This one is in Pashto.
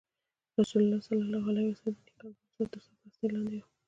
رسول الله ﷺ د نیکه عبدالمطلب تر سرپرستۍ لاندې و.